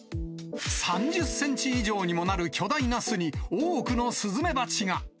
３０センチ以上にもなる巨大な巣に、多くのスズメバチが。